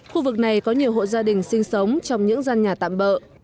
khu vực này có nhiều hộ gia đình sinh sống trong những gian nhà tạm bỡ